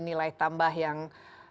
nilai tambah yang berbahaya